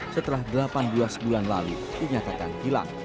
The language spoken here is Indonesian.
setelah delapan belas bulan lalu dinyatakan hilang